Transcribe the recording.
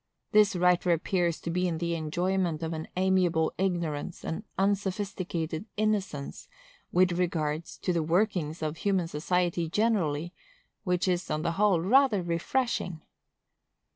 This writer appears to be in the enjoyment of an amiable ignorance and unsophisticated innocence with regard to the workings of human society generally, which is, on the whole, rather refreshing.